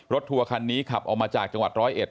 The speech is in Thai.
ทัวร์คันนี้ขับออกมาจากจังหวัดร้อยเอ็ด